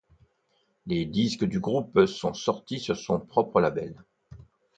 Les disques du groupe sont sortis sur son propre label.